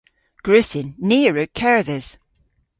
Gwrussyn. Ni a wrug kerdhes.